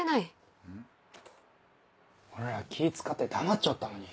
俺ら気ぃ使って黙っちょったのに。